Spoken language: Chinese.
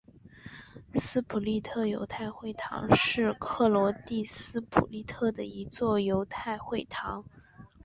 斯普利特犹太会堂是克罗地亚斯普利特的一座犹太会堂。